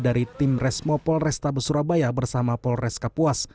dari tim resmo polres tabes surabaya bersama polres kapuas